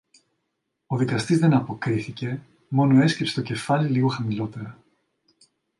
Ο δικαστής δεν αποκρίθηκε, μόνο έσκυψε το κεφάλι λίγο χαμηλότερα.